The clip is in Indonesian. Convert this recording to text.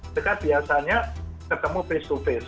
mereka biasanya ketemu face to face